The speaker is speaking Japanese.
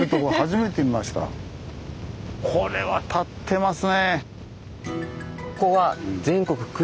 これはたってますね！